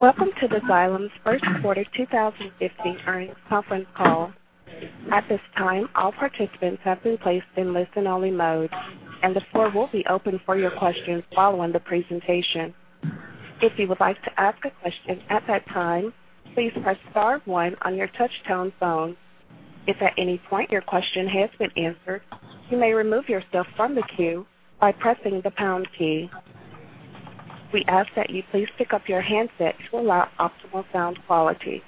Welcome to Xylem's first quarter 2015 earnings conference call. At this time, all participants have been placed in listen-only mode, and the floor will be open for your questions following the presentation. If you would like to ask a question at that time, please press star one on your touch-tone phone. If at any point your question has been answered, you may remove yourself from the queue by pressing the pound key. We ask that you please pick up your handset to allow optimal sound quality.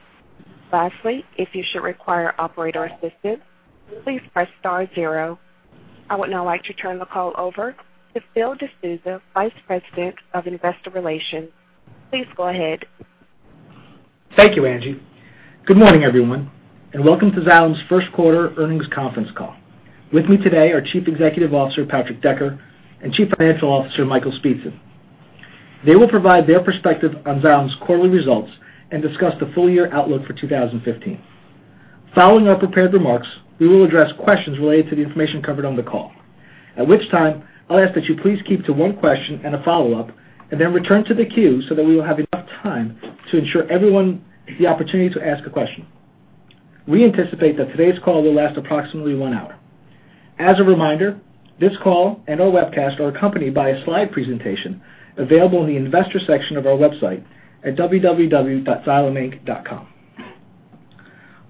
Lastly, if you should require operator assistance, please press star zero. I would now like to turn the call over to Phil De Sousa, Vice President of Investor Relations. Please go ahead. Thank you, Angie. Good morning, everyone, welcome to Xylem's first quarter earnings conference call. With me today are Chief Executive Officer, Patrick Decker, and Chief Financial Officer, Michael Speetzen. They will provide their perspective on Xylem's quarterly results and discuss the full-year outlook for 2015. Following our prepared remarks, we will address questions related to the information covered on the call. At which time, I will ask that you please keep to one question and a follow-up, and then return to the queue so that we will have enough time to ensure everyone the opportunity to ask a question. We anticipate that today's call will last approximately one hour. As a reminder, this call and our webcast are accompanied by a slide presentation available in the investor section of our website at www.xyleminc.com.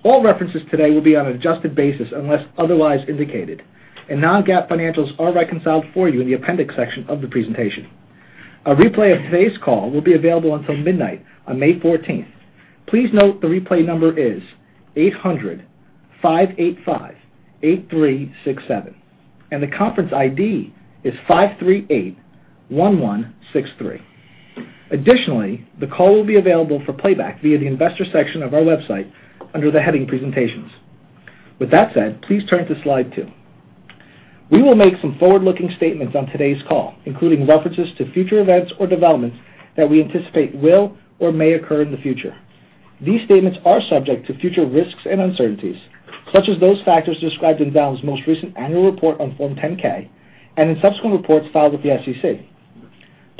All references today will be on an adjusted basis unless otherwise indicated, non-GAAP financials are reconciled for you in the appendix section of the presentation. A replay of today's call will be available until midnight on May 14th. Please note the replay number is 800-585-8367, the conference ID is 5381163. Additionally, the call will be available for playback via the investor section of our website under the heading Presentations. With that said, please turn to Slide 2. We will make some forward-looking statements on today's call, including references to future events or developments that we anticipate will or may occur in the future. These statements are subject to future risks and uncertainties, such as those factors described in Xylem's most recent annual report on Form 10-K and in subsequent reports filed with the SEC.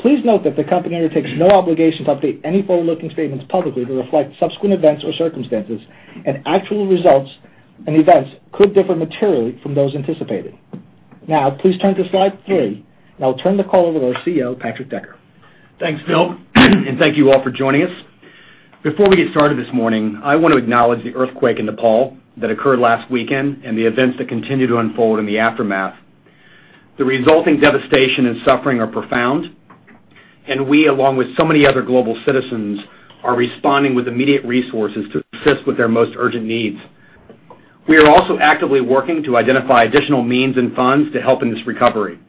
Please note that the company undertakes no obligation to update any forward-looking statements publicly to reflect subsequent events or circumstances, actual results and events could differ materially from those anticipated. Now, please turn to Slide 3, I will turn the call over to our CEO, Patrick Decker. Thanks, Phil, and thank you all for joining us. Before we get started this morning, I want to acknowledge the earthquake in Nepal that occurred last weekend and the events that continue to unfold in the aftermath. The resulting devastation and suffering are profound, and we, along with so many other global citizens, are responding with immediate resources to assist with their most urgent needs. We are also actively working to identify additional means and funds to help in this recovery.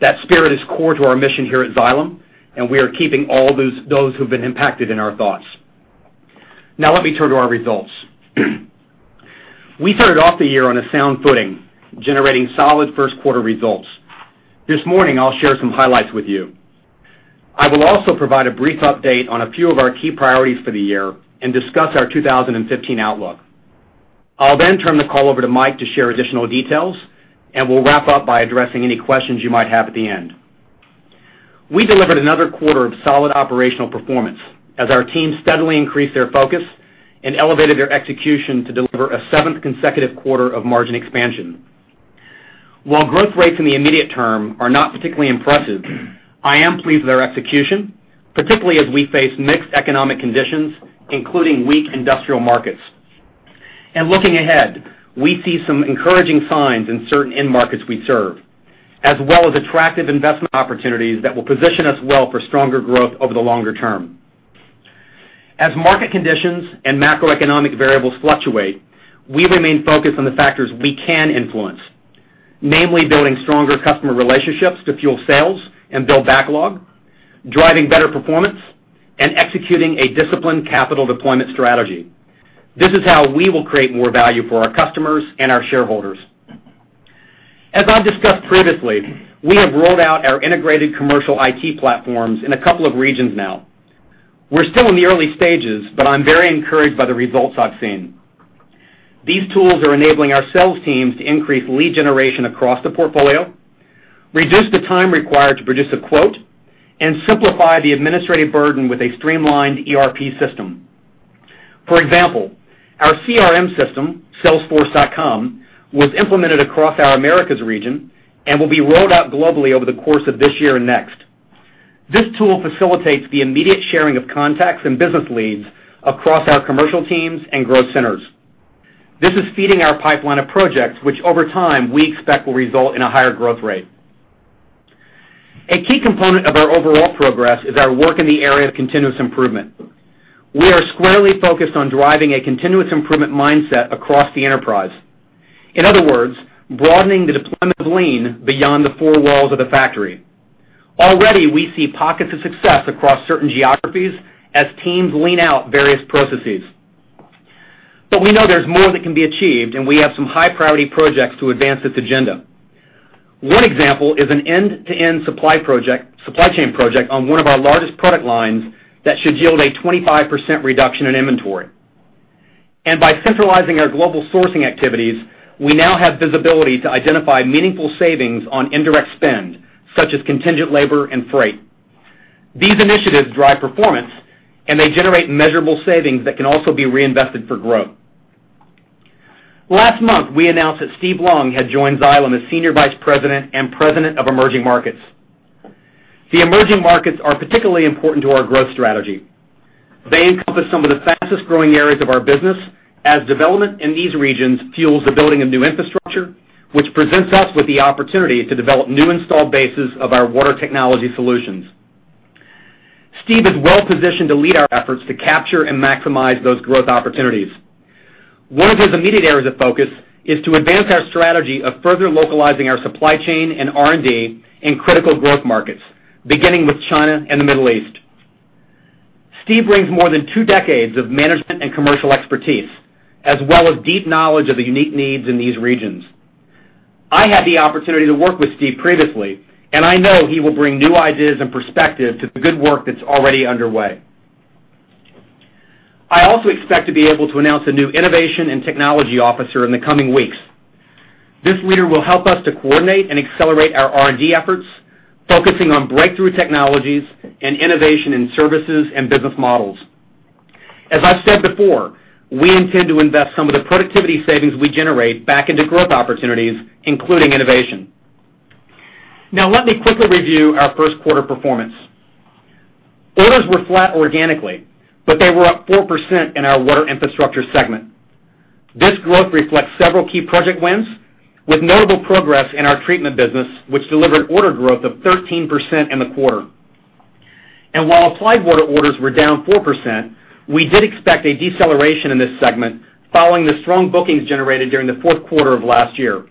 That spirit is core to our mission here at Xylem, and we are keeping all those who've been impacted in our thoughts. Let me turn to our results. We started off the year on a sound footing, generating solid first quarter results. This morning, I'll share some highlights with you. I will also provide a brief update on a few of our key priorities for the year and discuss our 2015 outlook. I'll then turn the call over to Mike to share additional details, and we'll wrap up by addressing any questions you might have at the end. We delivered another quarter of solid operational performance as our team steadily increased their focus and elevated their execution to deliver a seventh consecutive quarter of margin expansion. While growth rates in the immediate term are not particularly impressive, I am pleased with our execution, particularly as we face mixed economic conditions, including weak industrial markets. Looking ahead, we see some encouraging signs in certain end markets we serve, as well as attractive investment opportunities that will position us well for stronger growth over the longer term. As market conditions and macroeconomic variables fluctuate, we remain focused on the factors we can influence, namely building stronger customer relationships to fuel sales and build backlog, driving better performance, and executing a disciplined capital deployment strategy. This is how we will create more value for our customers and our shareholders. As I've discussed previously, we have rolled out our integrated commercial IT platforms in a couple of regions now. We're still in the early stages, but I'm very encouraged by the results I've seen. These tools are enabling our sales teams to increase lead generation across the portfolio, reduce the time required to produce a quote, and simplify the administrative burden with a streamlined ERP system. For example, our CRM system, Salesforce.com, was implemented across our Americas region and will be rolled out globally over the course of this year and next. This tool facilitates the immediate sharing of contacts and business leads across our commercial teams and growth centers. This is feeding our pipeline of projects, which over time we expect will result in a higher growth rate. A key component of our overall progress is our work in the area of continuous improvement. We are squarely focused on driving a continuous improvement mindset across the enterprise. In other words, broadening the deployment of lean beyond the four walls of the factory. Already, we see pockets of success across certain geographies as teams lean out various processes. We know there's more that can be achieved, and we have some high priority projects to advance this agenda. One example is an end-to-end supply chain project on one of our largest product lines that should yield a 25% reduction in inventory. By centralizing our global sourcing activities, we now have visibility to identify meaningful savings on indirect spend, such as contingent labor and freight. These initiatives drive performance, and they generate measurable savings that can also be reinvested for growth. Last month, we announced that Steven Leung had joined Xylem as Senior Vice President and President of Emerging Markets. The emerging markets are particularly important to our growth strategy. They encompass some of the fastest-growing areas of our business, as development in these regions fuels the building of new infrastructure, which presents us with the opportunity to develop new installed bases of our water technology solutions. Steve is well-positioned to lead our efforts to capture and maximize those growth opportunities. One of his immediate areas of focus is to advance our strategy of further localizing our supply chain and R&D in critical growth markets, beginning with China and the Middle East. Steve brings more than two decades of management and commercial expertise, as well as deep knowledge of the unique needs in these regions. I had the opportunity to work with Steve previously. I know he will bring new ideas and perspective to the good work that's already underway. I also expect to be able to announce a new innovation and technology officer in the coming weeks. This leader will help us to coordinate and accelerate our R&D efforts, focusing on breakthrough technologies and innovation in services and business models. As I've said before, we intend to invest some of the productivity savings we generate back into growth opportunities, including innovation. Let me quickly review our first quarter performance. Orders were flat organically, but they were up 4% in our Water Infrastructure segment. This growth reflects several key project wins, with notable progress in our treatment business, which delivered order growth of 13% in the quarter. While Applied Water orders were down 4%, we did expect a deceleration in this segment following the strong bookings generated during the fourth quarter of last year.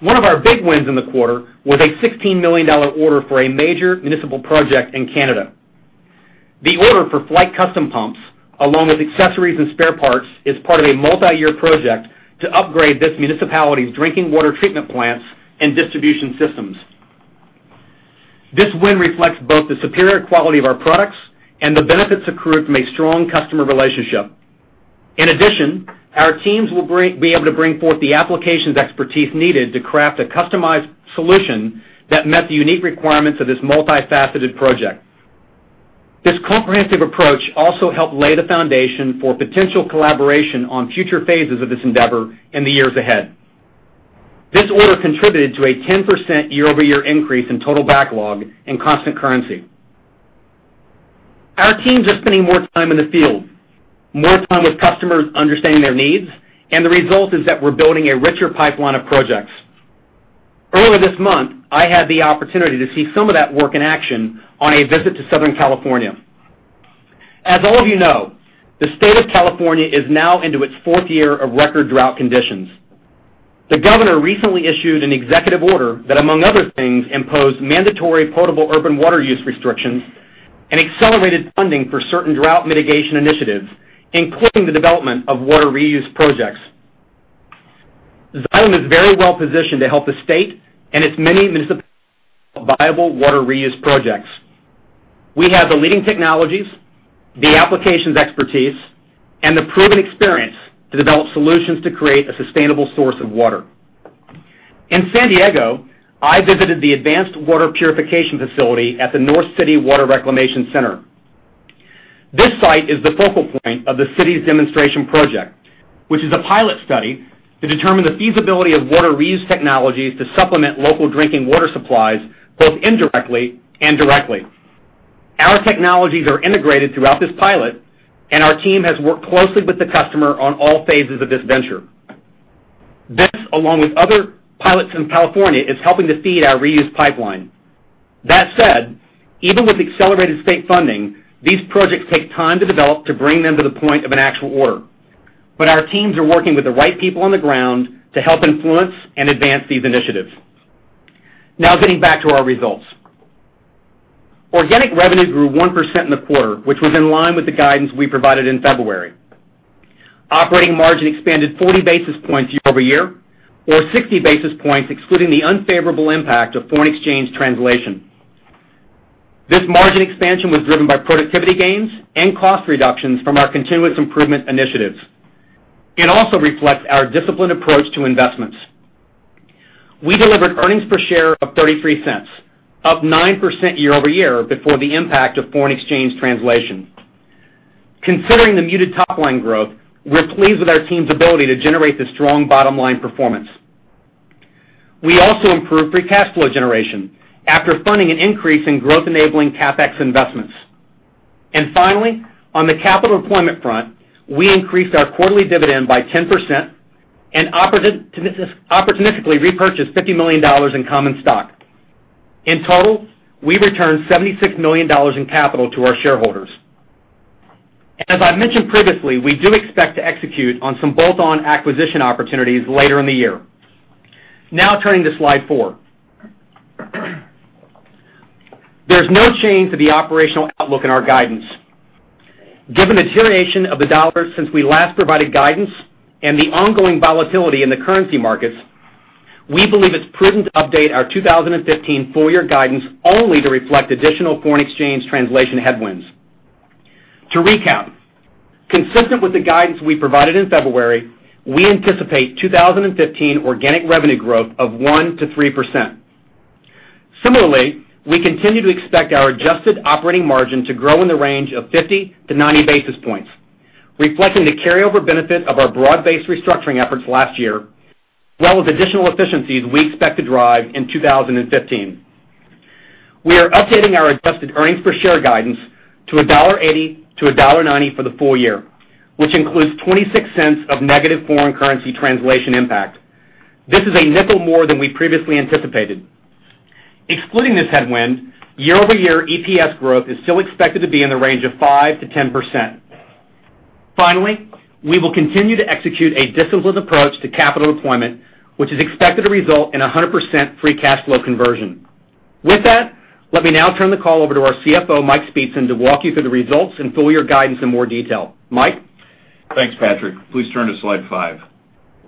One of our big wins in the quarter was a $16 million order for a major municipal project in Canada. The order for Flygt custom pumps, along with accessories and spare parts, is part of a multi-year project to upgrade this municipality's drinking water treatment plants and distribution systems. This win reflects both the superior quality of our products and the benefits accrued from a strong customer relationship. In addition, our teams will be able to bring forth the applications expertise needed to craft a customized solution that met the unique requirements of this multifaceted project. This comprehensive approach also helped lay the foundation for potential collaboration on future phases of this endeavor in the years ahead. This order contributed to a 10% year-over-year increase in total backlog and constant currency. Our teams are spending more time in the field, more time with customers understanding their needs, and the result is that we're building a richer pipeline of projects. Earlier this month, I had the opportunity to see some of that work in action on a visit to Southern California. As all of you know, the state of California is now into its fourth year of record drought conditions. The governor recently issued an executive order that, among other things, imposed mandatory portable urban water use restrictions and accelerated funding for certain drought mitigation initiatives, including the development of water reuse projects. Xylem is very well positioned to help the state and its many municipal viable water reuse projects. We have the leading technologies, the applications expertise, and the proven experience to develop solutions to create a sustainable source of water. In San Diego, I visited the advanced water purification facility at the North City Water Reclamation Plant. This site is the focal point of the city's demonstration project, which is a pilot study to determine the feasibility of water reuse technologies to supplement local drinking water supplies, both indirectly and directly. Our technologies are integrated throughout this pilot, and our team has worked closely with the customer on all phases of this venture. This, along with other pilots in California, is helping to feed our reuse pipeline. That said, even with accelerated state funding, these projects take time to develop to bring them to the point of an actual order. Our teams are working with the right people on the ground to help influence and advance these initiatives. Getting back to our results. Organic revenue grew 1% in the quarter, which was in line with the guidance we provided in February. Operating margin expanded 40 basis points year-over-year, or 60 basis points excluding the unfavorable impact of foreign exchange translation. This margin expansion was driven by productivity gains and cost reductions from our continuous improvement initiatives. It also reflects our disciplined approach to investments. We delivered earnings per share of $0.33, up 9% year-over-year before the impact of foreign exchange translation. Considering the muted top-line growth, we're pleased with our team's ability to generate the strong bottom-line performance. We also improved free cash flow generation after funding an increase in growth-enabling CapEx investments. Finally, on the capital deployment front, we increased our quarterly dividend by 10% and opportunistically repurchased $50 million in common stock. In total, we returned $76 million in capital to our shareholders. As I've mentioned previously, we do expect to execute on some bolt-on acquisition opportunities later in the year. Turning to slide four. There's no change to the operational outlook in our guidance. Given the deterioration of the dollar since we last provided guidance and the ongoing volatility in the currency markets, we believe it's prudent to update our 2015 full-year guidance only to reflect additional foreign exchange translation headwinds. To recap, consistent with the guidance we provided in February, we anticipate 2015 organic revenue growth of 1%-3%. Similarly, we continue to expect our adjusted operating margin to grow in the range of 50 to 90 basis points, reflecting the carry-over benefit of our broad-based restructuring efforts last year, as well as additional efficiencies we expect to drive in 2015. We are updating our adjusted earnings per share guidance to $1.80-$1.90 for the full year, which includes $0.26 of negative foreign currency translation impact. This is $0.05 more than we previously anticipated. Excluding this headwind, year-over-year EPS growth is still expected to be in the range of 5%-10%. Finally, we will continue to execute a disciplined approach to capital deployment, which is expected to result in 100% free cash flow conversion. With that, let me now turn the call over to our CFO, Mike Speetzen, to walk you through the results and full-year guidance in more detail. Mike? Thanks, Patrick. Please turn to slide five.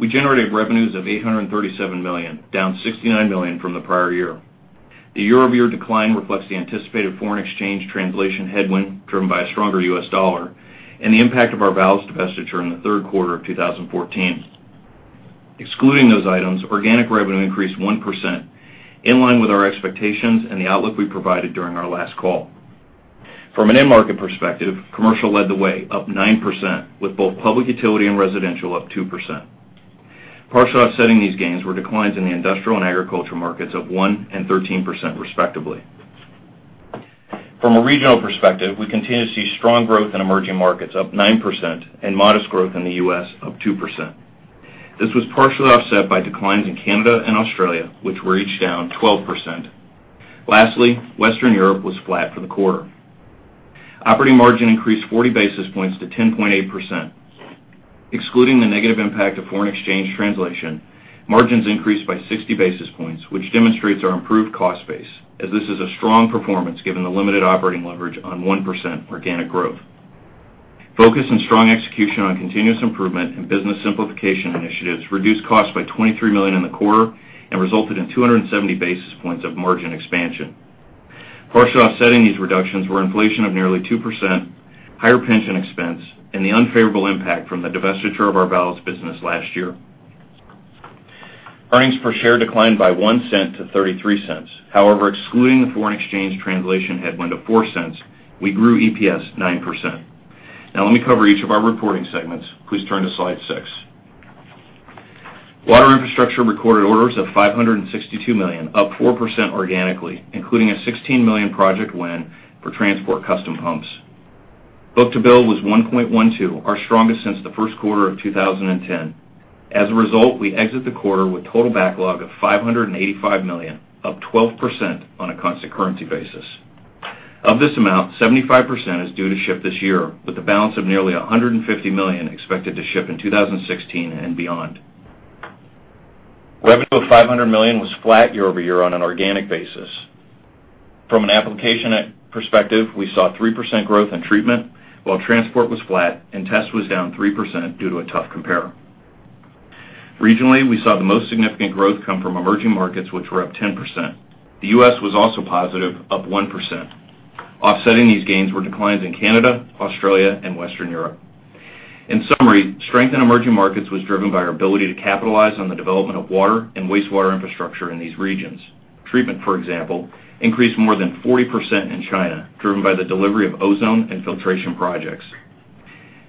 We generated revenues of $837 million, down $69 million from the prior year. The year-over-year decline reflects the anticipated foreign exchange translation headwind, driven by a stronger U.S. dollar and the impact of our valves divestiture in the third quarter of 2014. Excluding those items, organic revenue increased 1%, in line with our expectations and the outlook we provided during our last call. From an end market perspective, commercial led the way, up 9%, with both public utility and residential up 2%. Partially offsetting these gains were declines in the industrial and agricultural markets of 1% and 13%, respectively. From a regional perspective, we continue to see strong growth in emerging markets up 9% and modest growth in the U.S. up 2%. This was partially offset by declines in Canada and Australia, which were each down 12%. Lastly, Western Europe was flat for the quarter. Operating margin increased 40 basis points to 10.8%. Excluding the negative impact of foreign exchange translation, margins increased by 60 basis points, which demonstrates our improved cost base, as this is a strong performance given the limited operating leverage on 1% organic growth. Focus and strong execution on continuous improvement and business simplification initiatives reduced costs by $23 million in the quarter and resulted in 270 basis points of margin expansion. Partially offsetting these reductions were inflation of nearly 2%, higher pension expense, and the unfavorable impact from the divestiture of our valves business last year. Earnings per share declined by $0.01 to $0.33. However, excluding the foreign exchange translation headwind of $0.04, we grew EPS 9%. Let me cover each of our reporting segments. Please turn to slide six. Water Infrastructure recorded orders of $562 million, up 4% organically, including a $16 million project win for Flygt custom pumps. Book-to-bill was 1.12, our strongest since the first quarter of 2010. As a result, we exit the quarter with total backlog of $585 million, up 12% on a constant currency basis. Of this amount, 75% is due to ship this year, with the balance of nearly $150 million expected to ship in 2016 and beyond. Revenue of $500 million was flat year-over-year on an organic basis. From an application perspective, we saw 3% growth in treatment, while transport was flat and test was down 3% due to a tough compare. Regionally, we saw the most significant growth come from emerging markets, which were up 10%. The U.S. was also positive, up 1%. Offsetting these gains were declines in Canada, Australia, and Western Europe. In summary, strength in emerging markets was driven by our ability to capitalize on the development of water and wastewater infrastructure in these regions. Treatment, for example, increased more than 40% in China, driven by the delivery of ozone and filtration projects.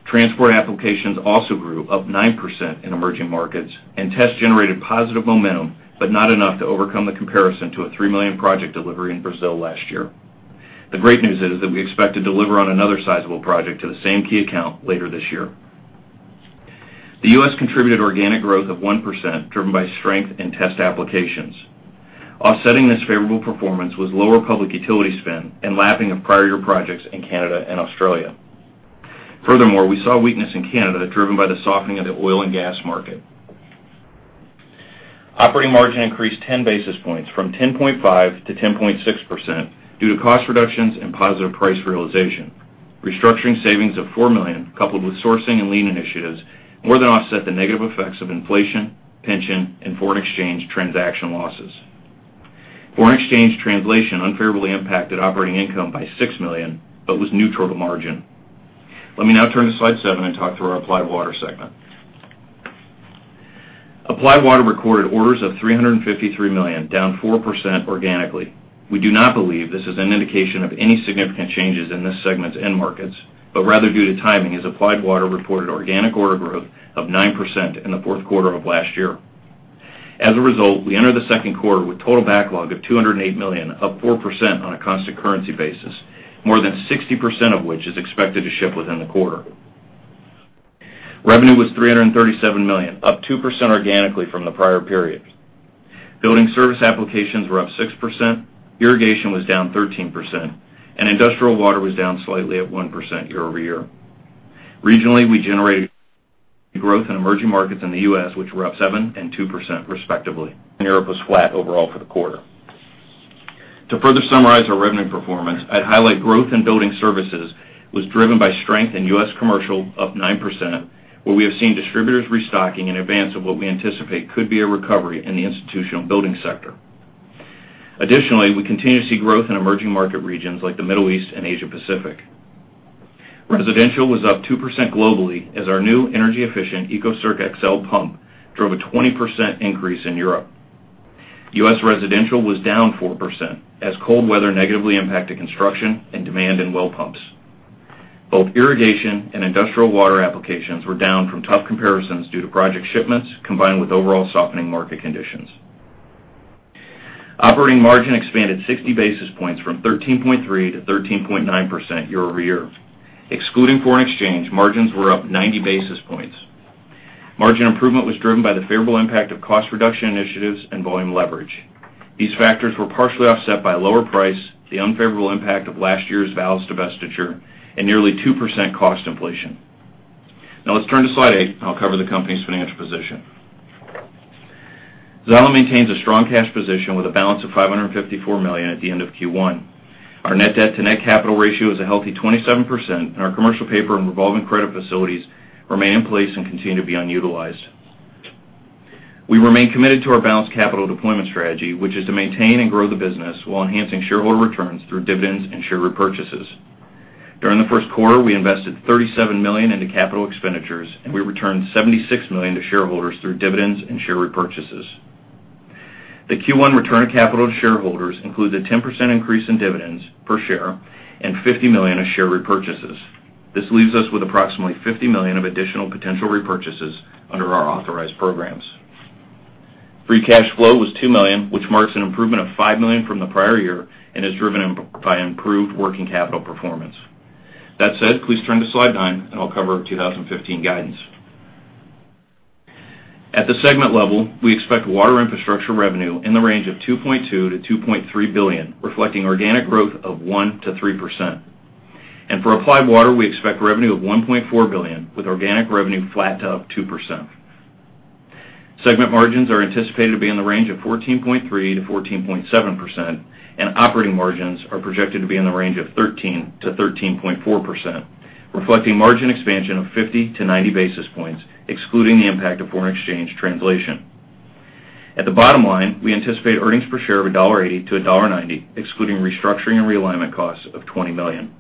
Transport applications also grew up 9% in emerging markets, and test generated positive momentum, but not enough to overcome the comparison to a $3 million project delivery in Brazil last year. The great news is that we expect to deliver on another sizable project to the same key account later this year. The U.S. contributed organic growth of 1%, driven by strength in test applications. Offsetting this favorable performance was lower public utility spend and lapping of prior year projects in Canada and Australia. Furthermore, we saw weakness in Canada, driven by the softening of the oil and gas market. Operating margin increased 10 basis points from 10.5% to 10.6% due to cost reductions and positive price realization. Restructuring savings of $4 million, coupled with sourcing and lean initiatives, more than offset the negative effects of inflation, pension, and foreign exchange transaction losses. Foreign exchange translation unfavorably impacted operating income by $6 million but was neutral to margin. Let me now turn to slide seven and talk through our Applied Water segment. Applied Water recorded orders of $353 million, down 4% organically. We do not believe this is an indication of any significant changes in this segment's end markets, but rather due to timing, as Applied Water reported organic order growth of 9% in the fourth quarter of last year. As a result, we enter the second quarter with total backlog of $208 million, up 4% on a constant currency basis. More than 60% of which is expected to ship within the quarter. Revenue was $337 million, up 2% organically from the prior period. Building service applications were up 6%, irrigation was down 13%, and industrial water was down slightly at 1% year-over-year. Regionally, we generated growth in emerging markets in the U.S., which were up 7% and 2%, respectively. Europe was flat overall for the quarter. To further summarize our revenue performance, I'd highlight growth in building services was driven by strength in U.S. commercial, up 9%, where we have seen distributors restocking in advance of what we anticipate could be a recovery in the institutional building sector. Additionally, we continue to see growth in emerging market regions like the Middle East and Asia-Pacific. Residential was up 2% globally as our new energy-efficient ecocirc XL pump drove a 20% increase in Europe. U.S. residential was down 4% as cold weather negatively impacted construction and demand in well pumps. Both irrigation and industrial water applications were down from tough comparisons due to project shipments combined with overall softening market conditions. Operating margin expanded 60 basis points from 13.3%-13.9% year-over-year. Excluding foreign exchange, margins were up 90 basis points. Margin improvement was driven by the favorable impact of cost reduction initiatives and volume leverage. These factors were partially offset by lower price, the unfavorable impact of last year's valves divestiture, and nearly 2% cost inflation. Let's turn to slide eight, and I'll cover the company's financial position. Xylem maintains a strong cash position with a balance of $554 million at the end of Q1. Our net debt to net capital ratio is a healthy 27%, and our commercial paper and revolving credit facilities remain in place and continue to be unutilized. We remain committed to our balanced capital deployment strategy, which is to maintain and grow the business while enhancing shareholder returns through dividends and share repurchases. During the first quarter, we invested $37 million into capital expenditures, and we returned $76 million to shareholders through dividends and share repurchases. The Q1 return of capital to shareholders includes a 10% increase in dividends per share and $50 million of share repurchases. This leaves us with approximately $50 million of additional potential repurchases under our authorized programs. Free cash flow was $2 million, which marks an improvement of $5 million from the prior year and is driven by improved working capital performance. That said, please turn to slide nine and I'll cover 2015 guidance. At the segment level, we expect Water Infrastructure revenue in the range of $2.2 billion-$2.3 billion, reflecting organic growth of 1%-3%. For Applied Water, we expect revenue of $1.4 billion with organic revenue flat to up 2%. Segment margins are anticipated to be in the range of 14.3%-14.7%, and operating margins are projected to be in the range of 13%-13.4%, reflecting margin expansion of 50-90 basis points, excluding the impact of foreign exchange translation. At the bottom line, we anticipate earnings per share of $1.80-$1.90, excluding restructuring and realignment costs of $20 million.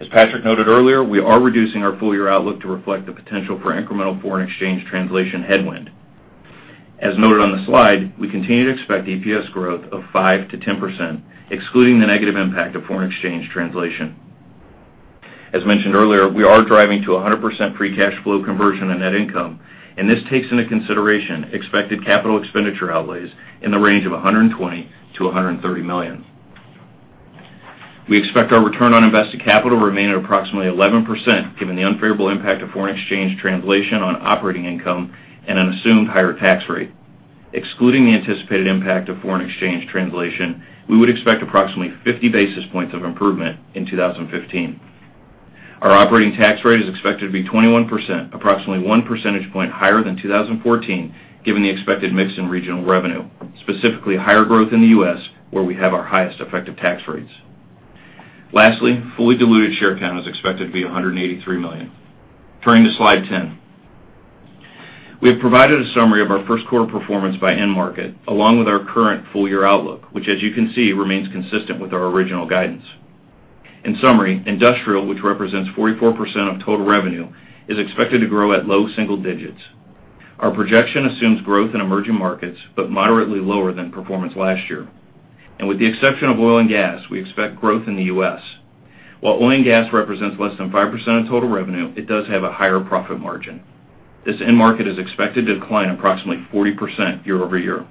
As Patrick noted earlier, we are reducing our full year outlook to reflect the potential for incremental foreign exchange translation headwind. As noted on the slide, we continue to expect EPS growth of 5%-10%, excluding the negative impact of foreign exchange translation. As mentioned earlier, we are driving to 100% free cash flow conversion and net income, and this takes into consideration expected capital expenditure outlays in the range of $120 million-$130 million. We expect our return on invested capital to remain at approximately 11% given the unfavorable impact of foreign exchange translation on operating income and an assumed higher tax rate. Excluding the anticipated impact of foreign exchange translation, we would expect approximately 50 basis points of improvement in 2015. Our operating tax rate is expected to be 21%, approximately 1 percentage point higher than 2014, given the expected mix in regional revenue, specifically higher growth in the U.S., where we have our highest effective tax rates. Lastly, fully diluted share count is expected to be 183 million. Turning to slide 10. We have provided a summary of our first quarter performance by end market, along with our current full year outlook, which as you can see, remains consistent with our original guidance. In summary, industrial, which represents 44% of total revenue, is expected to grow at low double digits. Our projection assumes growth in emerging markets, but moderately lower than performance last year. With the exception of oil and gas, we expect growth in the U.S. While oil and gas represents less than 5% of total revenue, it does have a higher profit margin. This end market is expected to decline approximately 40% year-over-year.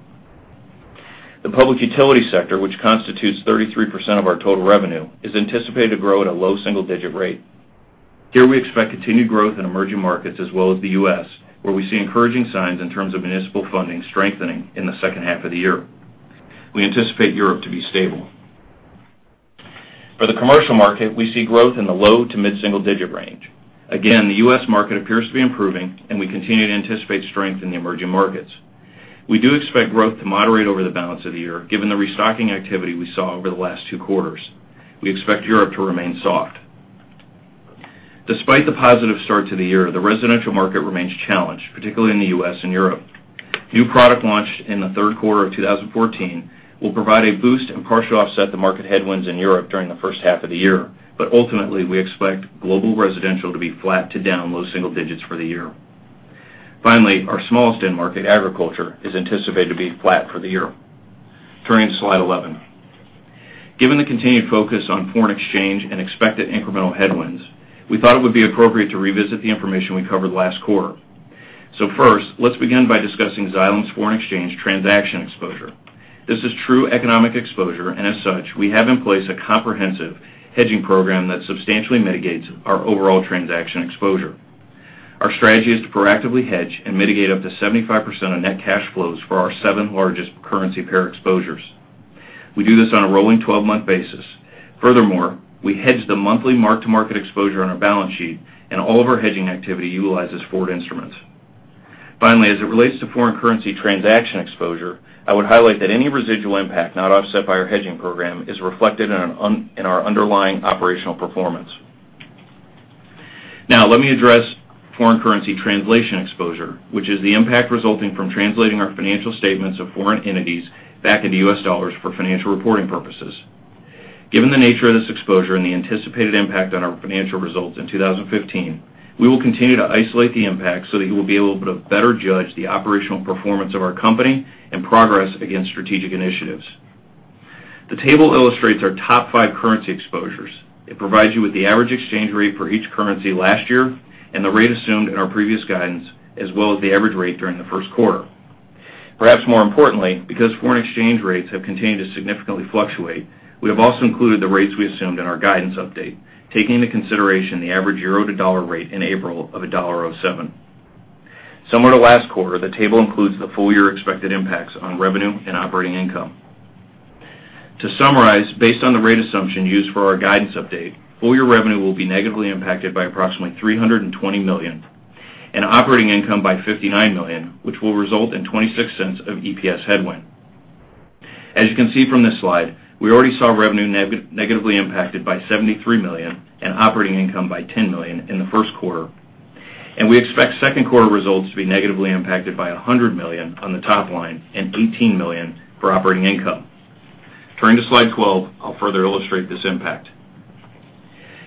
The public utility sector, which constitutes 33% of our total revenue, is anticipated to grow at a low single digit rate. Here, we expect continued growth in emerging markets as well as the U.S., where we see encouraging signs in terms of municipal funding strengthening in the second half of the year. We anticipate Europe to be stable. For the commercial market, we see growth in the low to mid-single digit range. Again, the U.S. market appears to be improving, and we continue to anticipate strength in the emerging markets. We do expect growth to moderate over the balance of the year, given the restocking activity we saw over the last two quarters. We expect Europe to remain soft. Despite the positive start to the year, the residential market remains challenged, particularly in the U.S. and Europe. New product launched in the third quarter of 2014 will provide a boost and partially offset the market headwinds in Europe during the first half of the year. Ultimately, we expect global residential to be flat to down low single digits for the year. Finally, our smallest end market, agriculture, is anticipated to be flat for the year. Turning to slide 11. Given the continued focus on foreign exchange and expected incremental headwinds, we thought it would be appropriate to revisit the information we covered last quarter. First, let's begin by discussing Xylem's foreign exchange transaction exposure. This is true economic exposure, and as such, we have in place a comprehensive hedging program that substantially mitigates our overall transaction exposure. Our strategy is to proactively hedge and mitigate up to 75% of net cash flows for our seven largest currency pair exposures. We do this on a rolling 12-month basis. Furthermore, we hedge the monthly mark-to-market exposure on our balance sheet, and all of our hedging activity utilizes forward instruments. Finally, as it relates to foreign currency transaction exposure, I would highlight that any residual impact not offset by our hedging program is reflected in our underlying operational performance. Now let me address foreign currency translation exposure, which is the impact resulting from translating our financial statements of foreign entities back into U.S. dollars for financial reporting purposes. Given the nature of this exposure and the anticipated impact on our financial results in 2015, we will continue to isolate the impact so that you will be able to better judge the operational performance of our company and progress against strategic initiatives. The table illustrates our top five currency exposures. It provides you with the average exchange rate for each currency last year and the rate assumed in our previous guidance, as well as the average rate during the first quarter. Perhaps more importantly, because foreign exchange rates have continued to significantly fluctuate, we have also included the rates we assumed in our guidance update, taking into consideration the average euro to dollar rate in April of $1.07. Similar to last quarter, the table includes the full-year expected impacts on revenue and operating income. To summarize, based on the rate assumption used for our guidance update, full year revenue will be negatively impacted by approximately $320 million and operating income by $59 million, which will result in $0.26 of EPS headwind. As you can see from this slide, we already saw revenue negatively impacted by $73 million and operating income by $10 million in the first quarter, and we expect second quarter results to be negatively impacted by $100 million on the top line and $18 million for operating income. Turning to slide 12, I'll further illustrate this impact.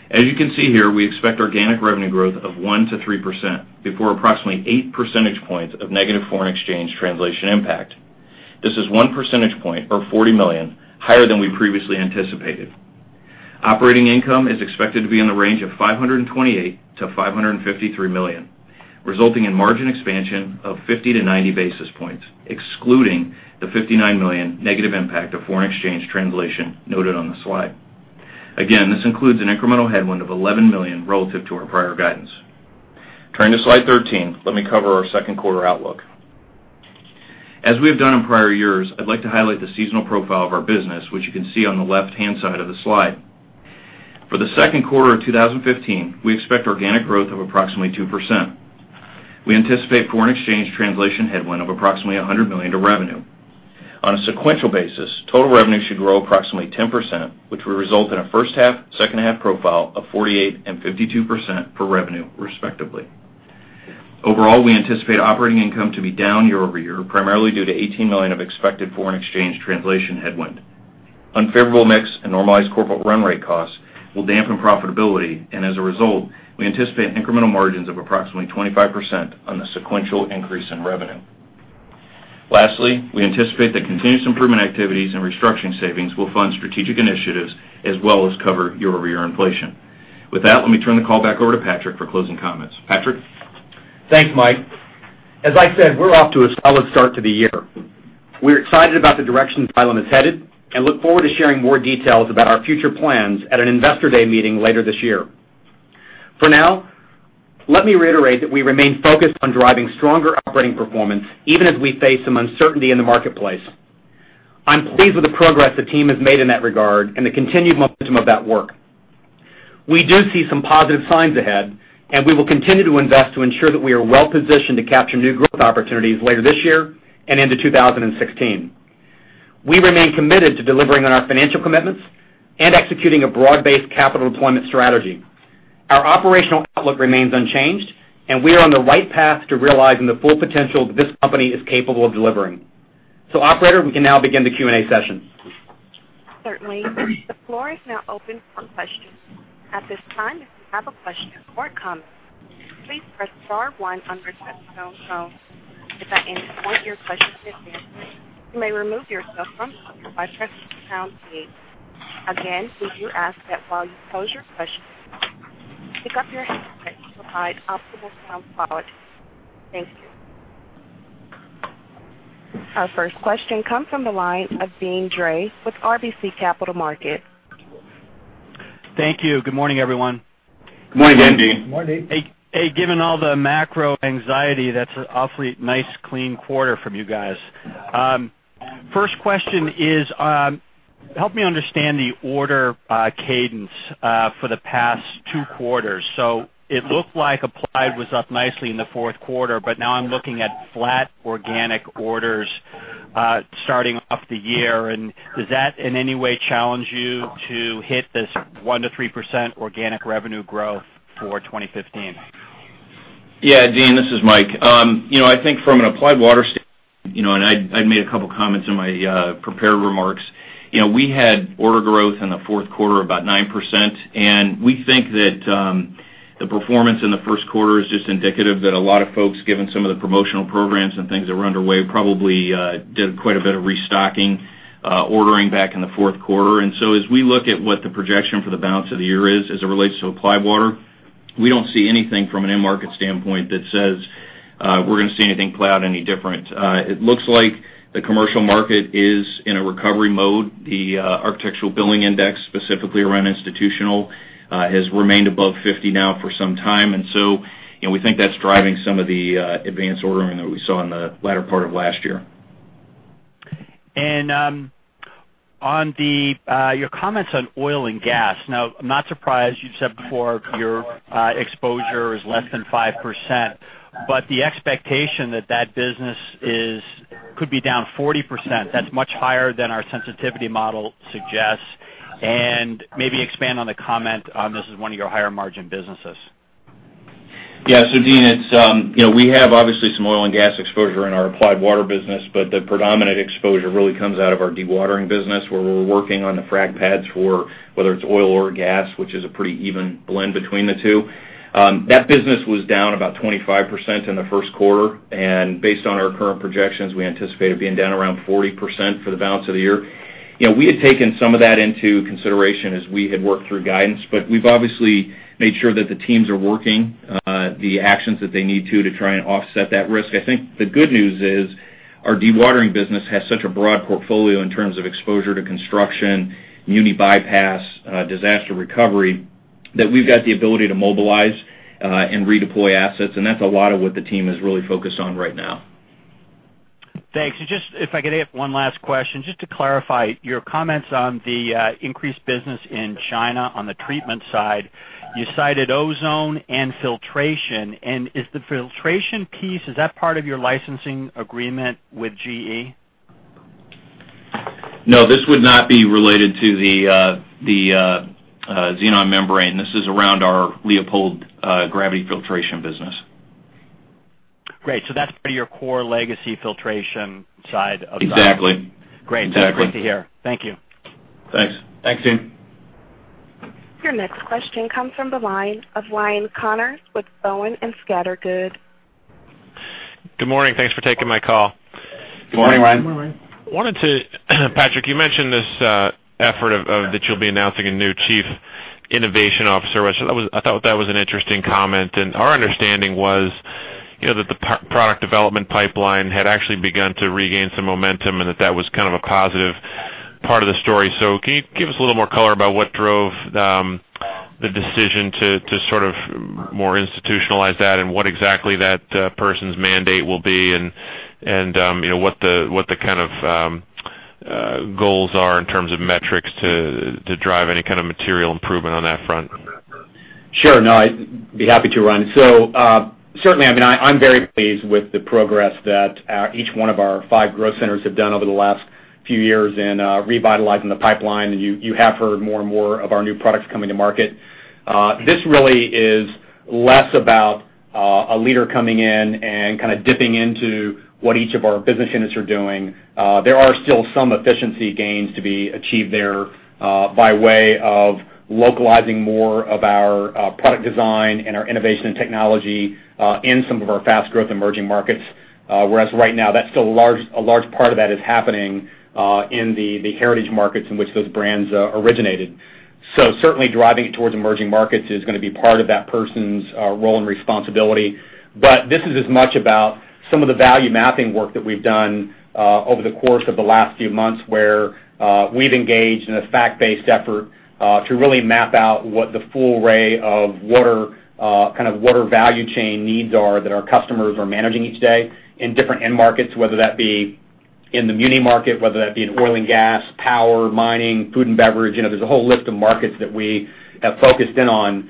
As you can see here, we expect organic revenue growth of 1% to 3% before approximately eight percentage points of negative foreign exchange translation impact. This is one percentage point or $40 million higher than we previously anticipated. Operating income is expected to be in the range of $528-$553 million, resulting in margin expansion of 50 to 90 basis points, excluding the $59 million negative impact of foreign exchange translation noted on the slide. Again, this includes an incremental headwind of $11 million relative to our prior guidance. Turning to slide 13, let me cover our second quarter outlook. As we have done in prior years, I'd like to highlight the seasonal profile of our business, which you can see on the left-hand side of the slide. For the second quarter of 2015, we expect organic growth of approximately 2%. We anticipate foreign exchange translation headwind of approximately $100 million to revenue. On a sequential basis, total revenue should grow approximately 10%, which will result in a first half, second half profile of 48% and 52% for revenue, respectively. Overall, we anticipate operating income to be down year-over-year, primarily due to $18 million of expected foreign exchange translation headwind. Unfavorable mix and normalized corporate run rate costs will dampen profitability, and as a result, we anticipate incremental margins of approximately 25% on the sequential increase in revenue. Lastly, we anticipate that continuous improvement activities and restructuring savings will fund strategic initiatives as well as cover year-over-year inflation. Let me turn the call back over to Patrick for closing comments. Patrick? Thanks, Mike. As I said, we're off to a solid start to the year. We're excited about the direction Xylem is headed and look forward to sharing more details about our future plans at an investor day meeting later this year. For now, let me reiterate that we remain focused on driving stronger operating performance, even as we face some uncertainty in the marketplace. I'm pleased with the progress the team has made in that regard and the continued momentum of that work. We do see some positive signs ahead, and we will continue to invest to ensure that we are well positioned to capture new growth opportunities later this year and into 2016. We remain committed to delivering on our financial commitments and executing a broad-based capital deployment strategy. Our operational outlook remains unchanged, and we are on the right path to realizing the full potential that this company is capable of delivering. Operator, we can now begin the Q&A session. Certainly. The floor is now open for questions. At this time, if you have a question or comment, please press star one on your touchtone phone. If at any point your question has been answered, you may remove yourself from queue by pressing the pound key. Again, we do ask that while you pose your question, pick up your headset to provide optimal sound quality. Thank you. Our first question comes from the line of Deane Dray with RBC Capital Markets. Thank you. Good morning, everyone. Good morning, Deane. Morning. Hey, given all the macro anxiety, that's an awfully nice clean quarter from you guys. First question is, help me understand the order cadence for the past two quarters. It looked like Applied Water was up nicely in the fourth quarter, but now I'm looking at flat organic orders starting off the year. Does that in any way challenge you to hit this 1%-3% organic revenue growth for 2015? Yeah, Deane, this is Mike. I think from an Applied Water standpoint, and I made a couple comments in my prepared remarks, we had order growth in the fourth quarter of about 9%, and we think that the performance in the first quarter is just indicative that a lot of folks, given some of the promotional programs and things that were underway, probably did quite a bit of restocking, ordering back in the fourth quarter. As we look at what the projection for the balance of the year is as it relates to Applied Water, we don't see anything from an end market standpoint that says we're going to see anything play out any different. It looks like the commercial market is in a recovery mode. The Architecture Billings Index, specifically around institutional, has remained above 50 now for some time, we think that's driving some of the advance ordering that we saw in the latter part of last year. On your comments on oil and gas. Now, I'm not surprised you've said before your exposure is less than 5%, but the expectation that that business could be down 40%, that's much higher than our sensitivity model suggests. Maybe expand on the comment on this is one of your higher margin businesses. Yeah. Deane, we have obviously some oil and gas exposure in our Applied Water business, the predominant exposure really comes out of our dewatering business, where we're working on the frack pads for whether it's oil or gas, which is a pretty even blend between the two. That business was down about 25% in the first quarter, based on our current projections, we anticipate it being down around 40% for the balance of the year. We had taken some of that into consideration as we had worked through guidance, we've obviously made sure that the teams are working the actions that they need to try and offset that risk. I think the good news is our dewatering business has such a broad portfolio in terms of exposure to construction, muni bypass, disaster recovery, that we've got the ability to mobilize and redeploy assets, and that's a lot of what the team is really focused on right now. Thanks. If I could add one last question, just to clarify your comments on the increased business in China on the treatment side, you cited ozone and filtration. Is the filtration piece, is that part of your licensing agreement with GE? No, this would not be related to the ZeeWeed membrane. This is around our Leopold gravity filtration business. Great. That's part of your core legacy filtration side. Exactly. Great. That's great to hear. Thank you. Thanks. Thanks, Deane. Your next question comes from the line of Ryan Connors with Boenning & Scattergood. Good morning. Thanks for taking my call. Good morning, Ryan. Good morning. Patrick, you mentioned this effort that you'll be announcing a new chief innovation officer, which I thought that was an interesting comment. Our understanding was that the product development pipeline had actually begun to regain some momentum, and that that was kind of a positive part of the story. Can you give us a little more color about what drove the decision to sort of more institutionalize that, and what exactly that person's mandate will be, and what the kind of goals are in terms of metrics to drive any kind of material improvement on that front? Sure. No, I'd be happy to, Ryan. Certainly, I mean, I'm very pleased with the progress that each one of our five growth centers have done over the last few years in revitalizing the pipeline, and you have heard more and more of our new products coming to market. This really is less about a leader coming in and kind of dipping into what each of our business units are doing. There are still some efficiency gains to be achieved there, by way of localizing more of our product design and our innovation and technology in some of our fast growth emerging markets. Whereas right now, a large part of that is happening in the heritage markets in which those brands originated. Certainly driving it towards emerging markets is going to be part of that person's role and responsibility. This is as much about some of the value mapping work that we've done over the course of the last few months, where we've engaged in a fact-based effort to really map out what the full array of kind of water value chain needs are that our customers are managing each day in different end markets, whether that be in the muni market, whether that be in oil and gas, power, mining, food and beverage. There's a whole list of markets that we have focused in on.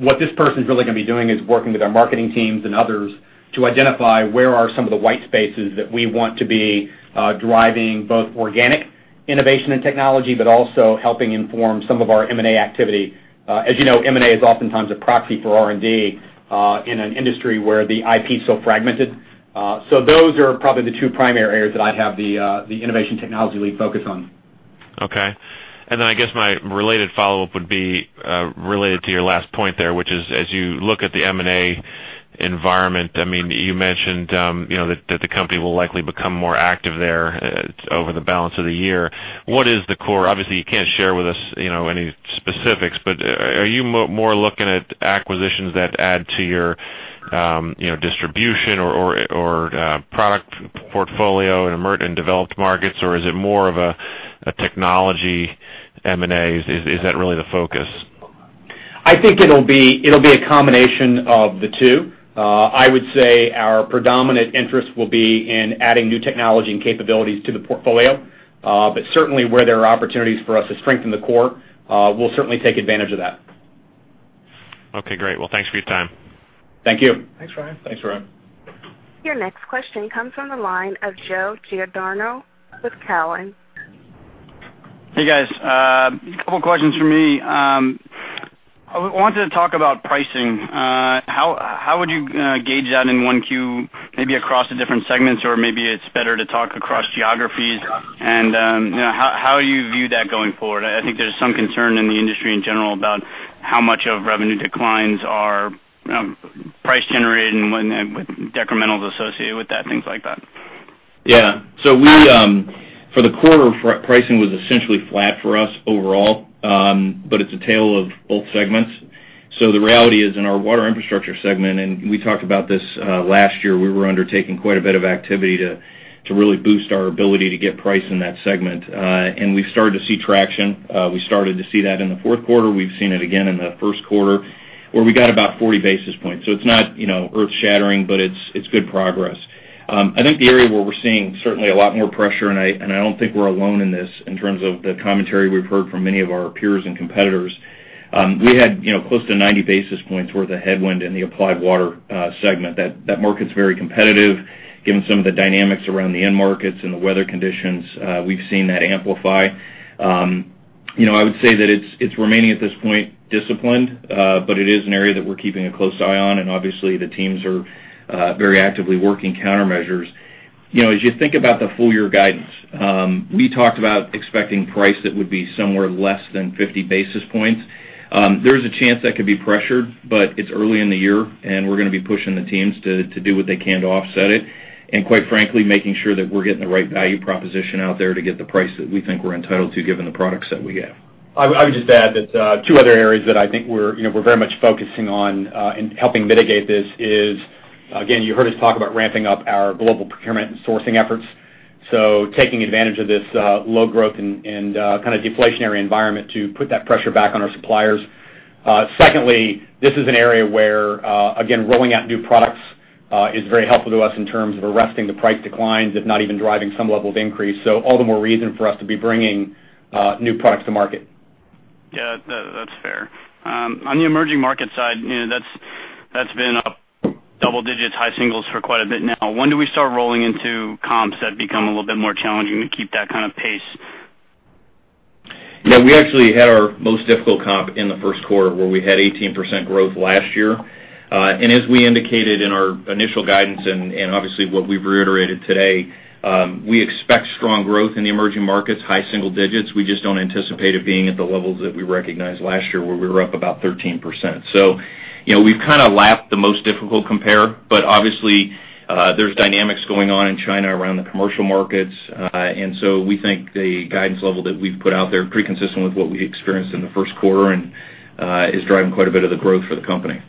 What this person's really going to be doing is working with our marketing teams and others to identify where are some of the white spaces that we want to be driving, both organic innovation and technology, but also helping inform some of our M&A activity. As you know, M&A is oftentimes a proxy for R&D in an industry where the IP's so fragmented. Those are probably the two primary areas that I'd have the innovation technology lead focus on. Okay. I guess my related follow-up would be related to your last point there, which is as you look at the M&A environment, you mentioned that the company will likely become more active there over the balance of the year. What is the core? Obviously, you can't share with us any specifics, but are you more looking at acquisitions that add to your distribution or product portfolio in developed markets, or is it more of a technology M&A? Is that really the focus? I think it'll be a combination of the two. I would say our predominant interest will be in adding new technology and capabilities to the portfolio. Certainly where there are opportunities for us to strengthen the core, we'll certainly take advantage of that. Okay, great. Thanks for your time. Thank you. Thanks, Ryan. Thanks, Ryan. Your next question comes from the line of Joe Giordano with Cowen. Hey, guys. A couple of questions from me. I wanted to talk about pricing. How would you gauge that in 1Q, maybe across the different segments, or maybe it is better to talk across geographies and how you view that going forward? I think there is some concern in the industry in general about how much of revenue declines are price generated and what decremental is associated with that, things like that. Yeah. For the quarter, pricing was essentially flat for us overall. It is a tale of both segments. The reality is, in our Water Infrastructure segment, and we talked about this last year, we were undertaking quite a bit of activity to really boost our ability to get price in that segment. We have started to see traction. We started to see that in the fourth quarter. We have seen it again in the first quarter. Where we got about 40 basis points. It is not earth-shattering, but it is good progress. I think the area where we are seeing certainly a lot more pressure, and I do not think we are alone in this in terms of the commentary we have heard from many of our peers and competitors. We had close to 90 basis points worth of headwind in the Applied Water segment. That market's very competitive given some of the dynamics around the end markets and the weather conditions, we've seen that amplify. I would say that it's remaining at this point disciplined, but it is an area that we're keeping a close eye on. Obviously, the teams are very actively working countermeasures. As you think about the full year guidance, we talked about expecting price that would be somewhere less than 50 basis points. There's a chance that could be pressured, but it's early in the year, and we're going to be pushing the teams to do what they can to offset it. Quite frankly, making sure that we're getting the right value proposition out there to get the price that we think we're entitled to given the products that we have. I would just add that two other areas that I think we're very much focusing on in helping mitigate this is, again, you heard us talk about ramping up our global procurement and sourcing efforts. Taking advantage of this low growth and kind of deflationary environment to put that pressure back on our suppliers. Secondly, this is an area where, again, rolling out new products is very helpful to us in terms of arresting the price declines, if not even driving some level of increase. All the more reason for us to be bringing new products to market. Yeah, that's fair. On the emerging market side, that's been up double digits, high singles for quite a bit now. When do we start rolling into comps that become a little bit more challenging to keep that kind of pace? Yeah, we actually had our most difficult comp in the first quarter where we had 18% growth last year. As we indicated in our initial guidance, obviously what we've reiterated today, we expect strong growth in the emerging markets, high single digits. We just don't anticipate it being at the levels that we recognized last year where we were up about 13%. We've kind of lapped the most difficult compare, obviously, there's dynamics going on in China around the commercial markets. We think the guidance level that we've put out there pretty consistent with what we experienced in the first quarter and is driving quite a bit of the growth for the company.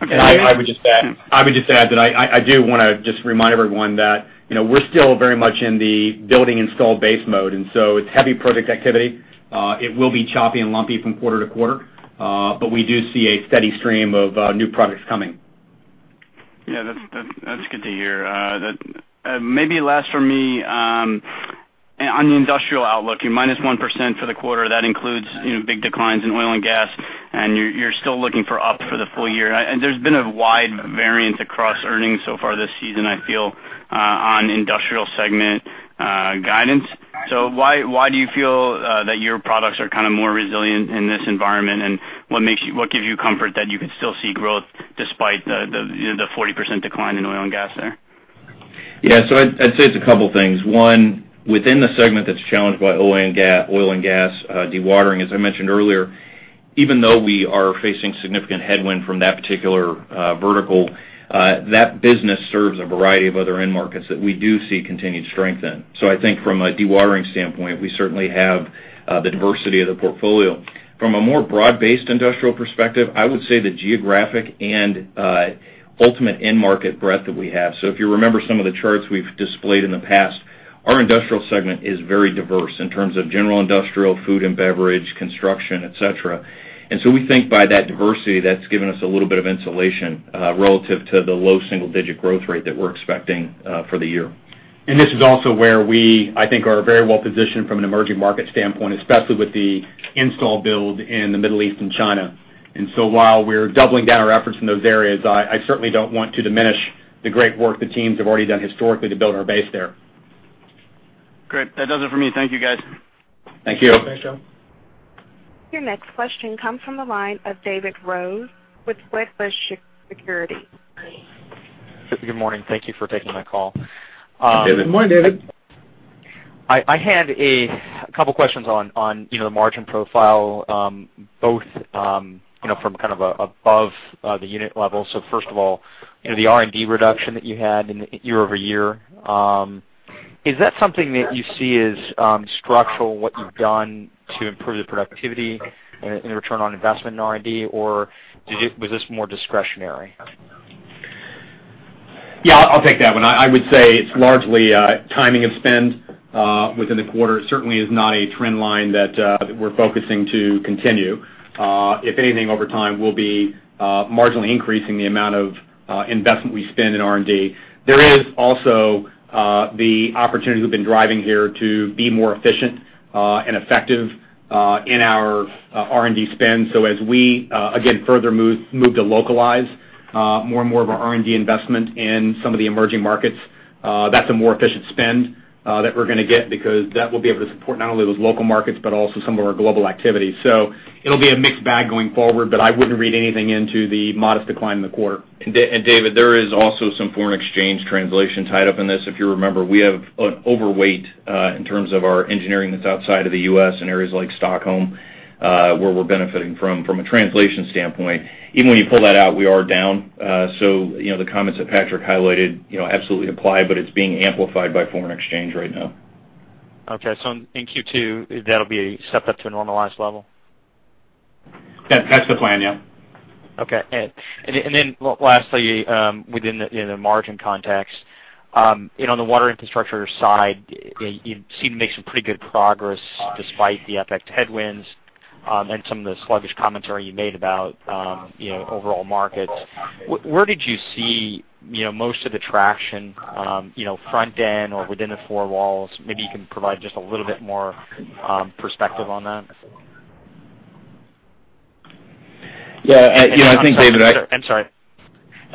I would just add that I do want to just remind everyone that we're still very much in the building installed base mode. It's heavy product activity. It will be choppy and lumpy from quarter to quarter. We do see a steady stream of new products coming. That's good to hear. Maybe last for me, on the industrial outlook, your -1% for the quarter. That includes big declines in oil and gas. You're still looking for up for the full year. There's been a wide variance across earnings so far this season, I feel, on industrial segment guidance. Why do you feel that your products are kind of more resilient in this environment, and what gives you comfort that you could still see growth despite the 40% decline in oil and gas there? I'd say it's a couple things. One, within the segment that's challenged by oil and gas dewatering, as I mentioned earlier, even though we are facing significant headwind from that particular vertical, that business serves a variety of other end markets that we do see continued strength in. I think from a dewatering standpoint, we certainly have the diversity of the portfolio. From a more broad-based industrial perspective, I would say the geographic and ultimate end market breadth that we have. If you remember some of the charts we've displayed in the past, our industrial segment is very diverse in terms of general industrial, food and beverage, construction, et cetera. We think by that diversity, that's given us a little bit of insulation relative to the low single-digit growth rate that we're expecting for the year. This is also where we, I think, are very well positioned from an emerging market standpoint, especially with the install build in the Middle East and China. While we're doubling down our efforts in those areas, I certainly don't want to diminish the great work the teams have already done historically to build our base there. Great. That does it for me. Thank you, guys. Thank you. Thank you. Your next question comes from the line of David Rose with Wedbush Securities. Good morning. Thank you for taking my call. Hey, David. Good morning, David. I had a couple questions on the margin profile, both from kind of above the unit level. First of all, the R&D reduction that you had year-over-year, is that something that you see as structural, what you've done to improve the productivity and return on investment in R&D, or was this more discretionary? I'll take that one. I would say it's largely timing of spend within the quarter. It certainly is not a trend line that we're focusing to continue. If anything, over time, we'll be marginally increasing the amount of investment we spend in R&D. There is also the opportunity we've been driving here to be more efficient and effective in our R&D spend. As we, again, further move to localize more and more of our R&D investment in some of the emerging markets, that's a more efficient spend that we're going to get because that will be able to support not only those local markets, but also some of our global activities. It'll be a mixed bag going forward, but I wouldn't read anything into the modest decline in the quarter. David, there is also some foreign exchange translation tied up in this. If you remember, we have an overweight in terms of our engineering that's outside of the U.S. in areas like Stockholm, where we're benefiting from a translation standpoint. Even when you pull that out, we are down. The comments that Patrick highlighted absolutely apply, but it's being amplified by foreign exchange right now. Okay. In Q2, that'll be a step up to a normalized level? That's the plan, yeah. Okay. Lastly, within the margin context On the Water Infrastructure side, you seem to make some pretty good progress despite the FX headwinds and some of the sluggish commentary you made about overall markets. Where did you see most of the traction, front end or within the four walls? Maybe you can provide just a little bit more perspective on that. Yeah, I think, David. I'm sorry.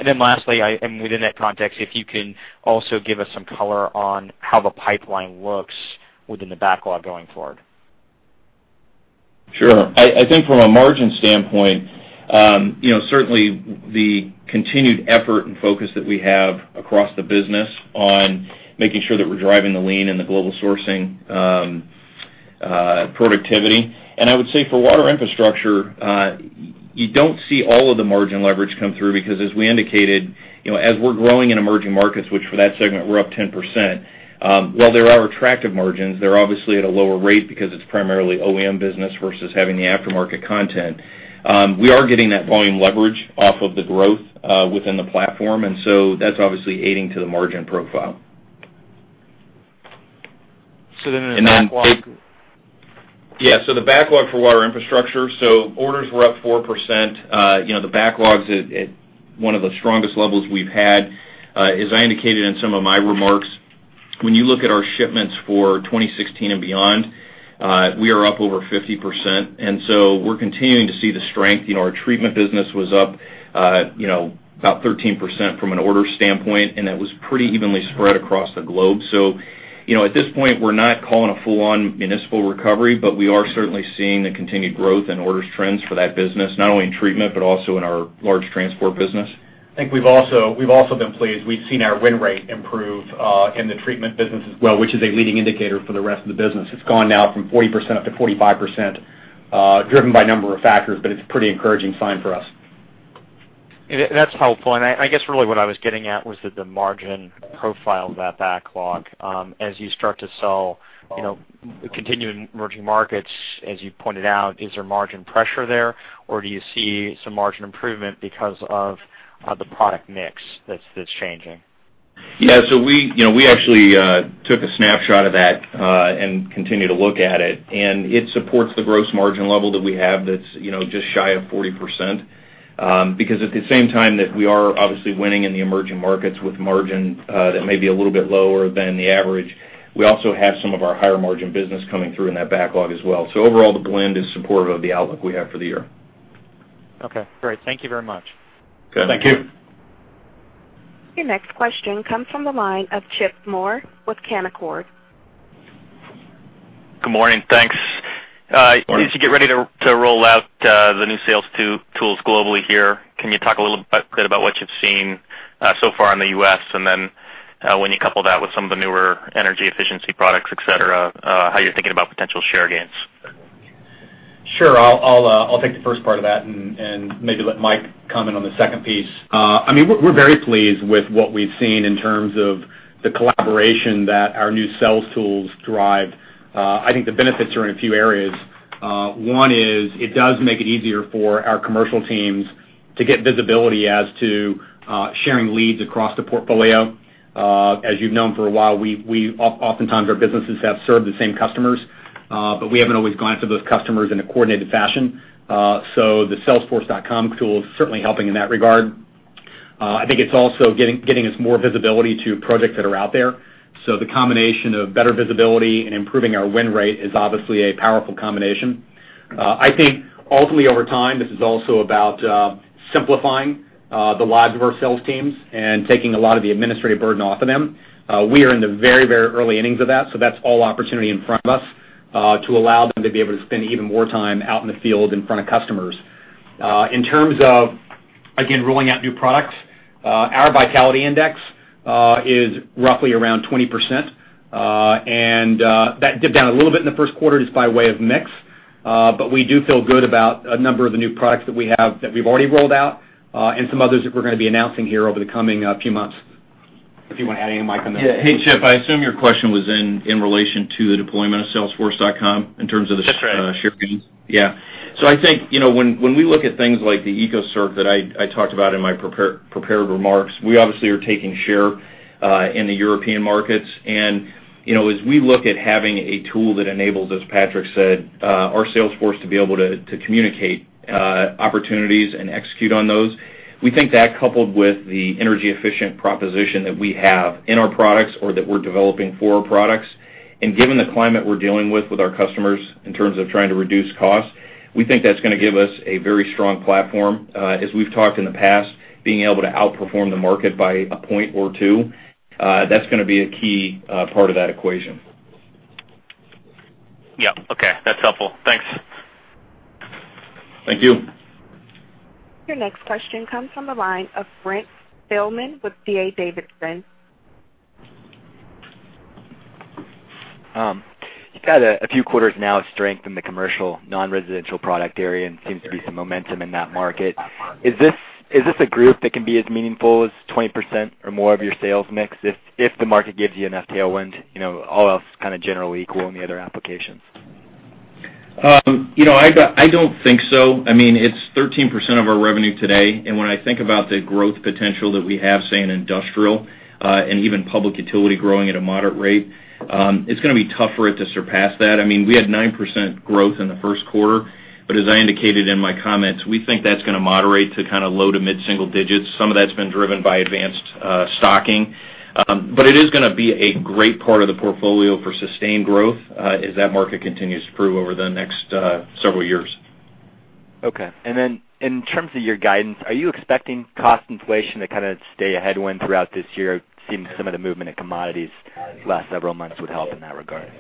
Lastly, within that context, if you can also give us some color on how the pipeline looks within the backlog going forward. Sure. I think from a margin standpoint, certainly the continued effort and focus that we have across the business on making sure that we're driving the lean and the global sourcing productivity. I would say for Water Infrastructure, you don't see all of the margin leverage come through because as we indicated, as we're growing in emerging markets, which for that segment, we're up 10%. While there are attractive margins, they're obviously at a lower rate because it's primarily OEM business versus having the aftermarket content. We are getting that volume leverage off of the growth, within the platform, that's obviously aiding to the margin profile. So then in the backlog- Yeah, the backlog for Water Infrastructure. Orders were up 4%. The backlog's at one of the strongest levels we've had. As I indicated in some of my remarks, when you look at our shipments for 2016 and beyond, we are up over 50%, we're continuing to see the strength. Our treatment business was up about 13% from an order standpoint, and that was pretty evenly spread across the globe. At this point, we're not calling a full on municipal recovery, but we are certainly seeing the continued growth in orders trends for that business, not only in treatment, but also in our large transport business. I think we've also been pleased. We've seen our win rate improve, in the treatment business as well, which is a leading indicator for the rest of the business. It's gone now from 40% up to 45%, driven by a number of factors, but it's a pretty encouraging sign for us. That's helpful, I guess really what I was getting at was that the margin profile of that backlog, as you start to sell continuing emerging markets, as you pointed out, is there margin pressure there, or do you see some margin improvement because of the product mix that's changing? Yeah. We actually took a snapshot of that, and continue to look at it, and it supports the gross margin level that we have that's just shy of 40%. At the same time that we are obviously winning in the emerging markets with margin, that may be a little bit lower than the average. We also have some of our higher margin business coming through in that backlog as well. Overall, the blend is supportive of the outlook we have for the year. Okay, great. Thank you very much. Good. Thank you. Thank you. Your next question comes from the line of Chip Moore with Canaccord. Good morning. Thanks. Good morning. As you get ready to roll out the new sales tools globally here, can you talk a little bit about what you've seen so far in the U.S., and then when you couple that with some of the newer energy efficiency products, et cetera, how you're thinking about potential share gains? Sure. I'll take the first part of that and maybe let Mike comment on the second piece. We're very pleased with what we've seen in terms of the collaboration that our new sales tools drive. I think the benefits are in a few areas. One is it does make it easier for our commercial teams to get visibility as to sharing leads across the portfolio. As you've known for a while, oftentimes our businesses have served the same customers, but we haven't always gone after those customers in a coordinated fashion. The Salesforce.com tool is certainly helping in that regard. I think it's also getting us more visibility to projects that are out there. The combination of better visibility and improving our win rate is obviously a powerful combination. I think ultimately over time, this is also about simplifying the lives of our sales teams and taking a lot of the administrative burden off of them. We are in the very early innings of that, so that's all opportunity in front of us, to allow them to be able to spend even more time out in the field in front of customers. In terms of, again, rolling out new products, our Vitality Index is roughly around 20%, and that dipped down a little bit in the first quarter just by way of mix. We do feel good about a number of the new products that we have that we've already rolled out, and some others that we're going to be announcing here over the coming few months. If you want to add anything, Mike, on that. Hey, Chip, I assume your question was in relation to the deployment of Salesforce.com in terms of the share gains? That's right. I think, when we look at things like the ecocirc that I talked about in my prepared remarks, we obviously are taking share in the European markets. As we look at having a tool that enables, as Patrick said, our sales force to be able to communicate opportunities and execute on those, we think that coupled with the energy efficient proposition that we have in our products or that we're developing for our products, and given the climate we're dealing with our customers in terms of trying to reduce costs, we think that's going to give us a very strong platform. As we've talked in the past, being able to outperform the market by a point or two, that's going to be a key part of that equation. Okay. That's helpful. Thanks. Thank you. Your next question comes from the line of Brent Thielman with D.A. Davidson. You've had a few quarters now of strength in the commercial, non-residential product area. Seems to be some momentum in that market. Is this a group that can be as meaningful as 20% or more of your sales mix if the market gives you enough tailwind, all else kind of generally equal in the other applications? I don't think so. It's 13% of our revenue today. When I think about the growth potential that we have, say, in industrial, and even public utility growing at a moderate rate, it's going to be tough for it to surpass that. We had 9% growth in the first quarter. As I indicated in my comments, we think that's going to moderate to low to mid-single digits. Some of that's been driven by advanced stocking. It is going to be a great part of the portfolio for sustained growth as that market continues to grow over the next several years. Okay. In terms of your guidance, are you expecting cost inflation to stay a headwind throughout this year, seeing some of the movement in commodities the last several months would help in that regard?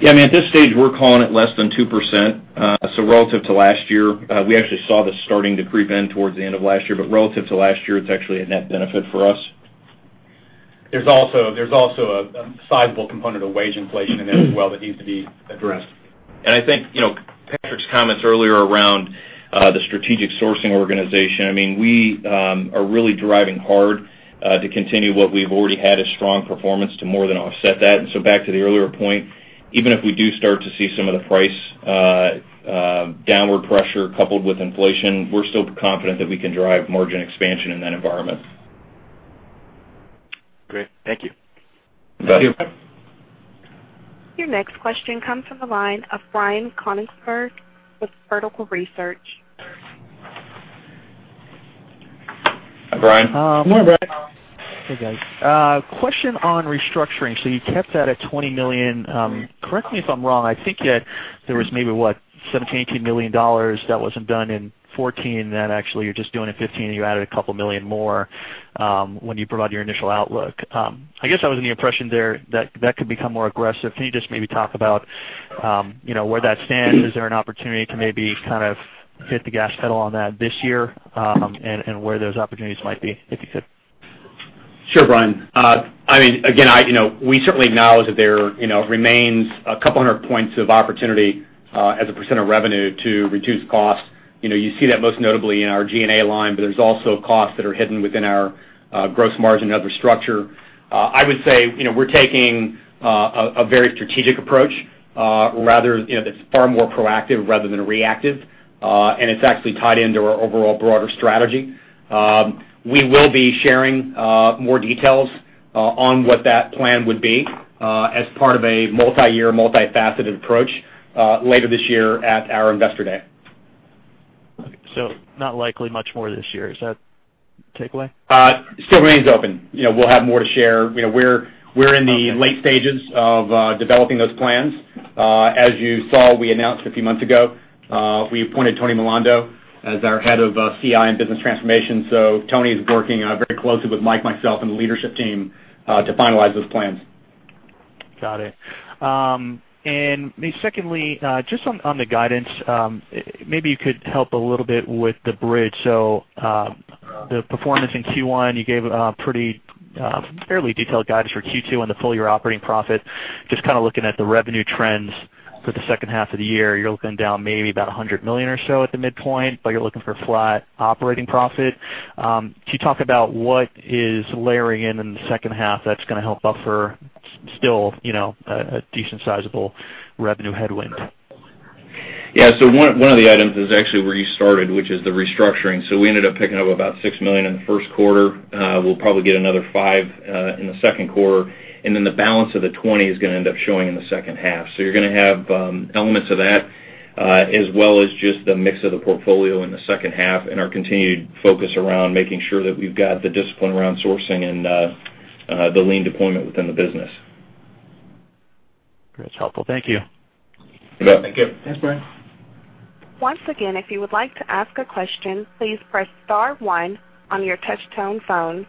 Yeah, at this stage, we're calling it less than 2%. Relative to last year, we actually saw this starting to creep in towards the end of last year. Relative to last year, it's actually a net benefit for us. There's also a sizable component of wage inflation in there as well that needs to be addressed. I think Patrick's comments earlier around the strategic sourcing organization, we are really driving hard to continue what we've already had a strong performance to more than offset that. Back to the earlier point, even if we do start to see some of the price downward pressure coupled with inflation, we're still confident that we can drive margin expansion in that environment. Great. Thank you. You bet. Thank you. Your next question comes from the line of Brian Konigsberg with Vertical Research. Hi, Brian. Good morning, Brian. Hey, guys. Question on restructuring. You kept that at $20 million. Correct me if I'm wrong, I think that there was maybe, what, $17 million, $18 million that wasn't done in 2014 that actually you're just doing in 2015, and you added a couple million more when you provided your initial outlook. I guess I was under the impression there that that could become more aggressive. Can you just maybe talk about where that stands? Is there an opportunity to maybe hit the gas pedal on that this year, and where those opportunities might be, if you could? Sure, Brian. Again, we certainly acknowledge that there remains a couple hundred points of opportunity as a % of revenue to reduce costs. You see that most notably in our G&A line, but there's also costs that are hidden within our gross margin and other structure. I would say, we're taking a very strategic approach that's far more proactive rather than reactive, and it's actually tied into our overall broader strategy. We will be sharing more details on what that plan would be as part of a multi-year, multifaceted approach later this year at our investor day. Okay. Not likely much more this year, is that the takeaway? It still remains open. We'll have more to share. We're in the late stages of developing those plans. As you saw, we announced a few months ago, we appointed Tony Milando as our head of CI and business transformation. Tony is working very closely with Mike, myself, and the leadership team to finalize those plans. Got it. Maybe secondly, just on the guidance, maybe you could help a little bit with the bridge. The performance in Q1, you gave a fairly detailed guidance for Q2 on the full year operating profit. Just looking at the revenue trends for the second half of the year, you're looking down maybe about $100 million or so at the midpoint, but you're looking for flat operating profit. Could you talk about what is layering in in the second half that's going to help buffer still a decent sizable revenue headwind? Yeah. One of the items is actually where you started, which is the restructuring. We ended up picking up about $6 million in the first quarter. We'll probably get another $5 million in the second quarter, and then the balance of the $20 million is going to end up showing in the second half. You're going to have elements of that, as well as just the mix of the portfolio in the second half and our continued focus around making sure that we've got the discipline around sourcing and the lean deployment within the business. Great. It's helpful. Thank you. You bet. Thank you. Thanks, Brian. Once again, if you would like to ask a question, please press star 1 on your touch tone phone.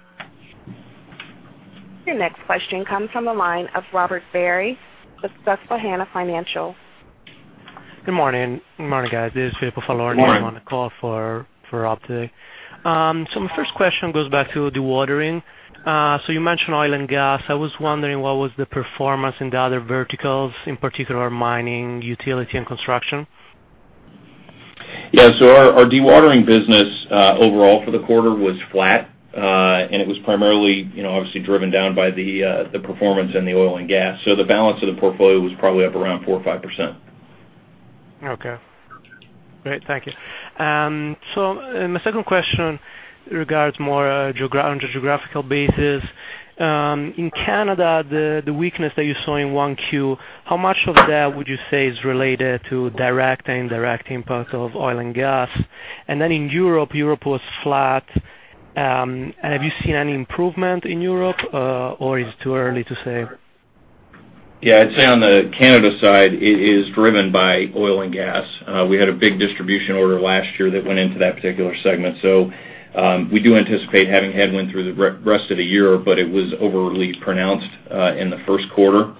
Your next question comes from the line of Robert Barry with Susquehanna Financial. Good morning. Good morning, guys. This is on the call for Ope. My first question goes back to dewatering. You mentioned oil and gas. I was wondering what was the performance in the other verticals, in particular mining, utility, and construction. Yeah. Our dewatering business overall for the quarter was flat, and it was primarily, obviously driven down by the performance in the oil and gas. The balance of the portfolio was probably up around 4% or 5%. Okay. Great. Thank you. My second question regards more on a geographical basis. In Canada, the weakness that you saw in 1Q, how much of that would you say is related to direct and indirect impacts of oil and gas? And then in Europe was flat. Have you seen any improvement in Europe, or is it too early to say? Yeah, I'd say on the Canada side, it is driven by oil and gas. We had a big distribution order last year that went into that particular segment. We do anticipate having headwind through the rest of the year, but it was overly pronounced in the first quarter.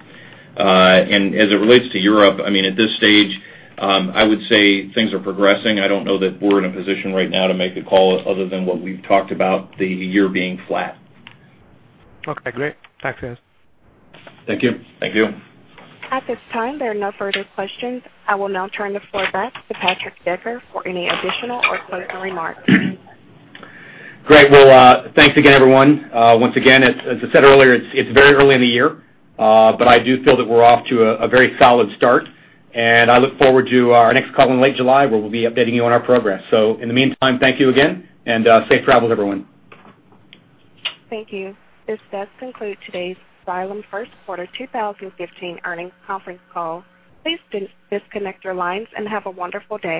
As it relates to Europe, at this stage, I would say things are progressing. I don't know that we're in a position right now to make a call other than what we've talked about, the year being flat. Okay, great. Thanks. Thank you. Thank you. At this time, there are no further questions. I will now turn the floor back to Patrick Decker for any additional or closing remarks. Great. Well, thanks again, everyone. Once again, as I said earlier, it's very early in the year. I do feel that we're off to a very solid start, and I look forward to our next call in late July where we'll be updating you on our progress. In the meantime, thank you again, and safe travels, everyone. Thank you. This does conclude today's Xylem first quarter 2015 earnings conference call. Please disconnect your lines and have a wonderful day.